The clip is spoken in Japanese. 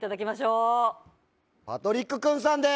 パトリック・クンさんです。